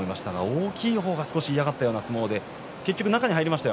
大きい方が少し嫌がったような相撲で結局、中に入りましたよ